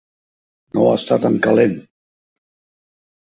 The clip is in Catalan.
No està tan calent!